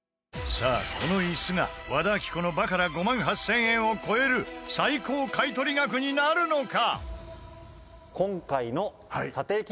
さあ、このイスが和田アキ子のバカラ５万８０００円を超える最高買取額になるのか？